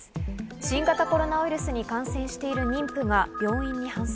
新型コロナウイルスに感染している妊婦が病院に搬送。